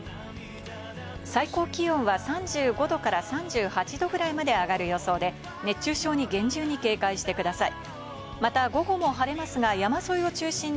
最高気温は３５度から３８度ぐらいまで上がる予想で、熱中症に厳重に警戒してください。